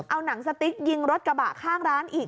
เอาหนังสติ๊กยิงรถกระบะข้างร้านอีก